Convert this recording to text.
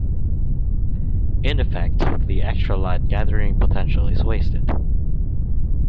In effect, the extra light gathering potential is wasted.